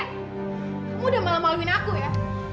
kamu udah malah maluin aku ya